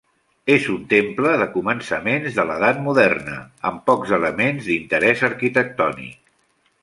És un temple de començaments de l'edat moderna, amb pocs elements d'interès arquitectònic.